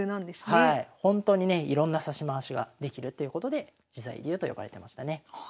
ほんとにねいろんな指し回しができるということで自在流と呼ばれてましたね。